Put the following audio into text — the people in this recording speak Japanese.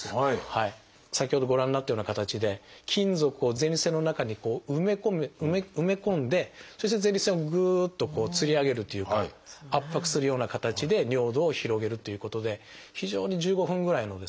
先ほどご覧になったような形で金属を前立腺の中に埋め込んでそして前立腺をぐっと吊り上げるというか圧迫するような形で尿道を広げるということで非常に１５分ぐらいのですね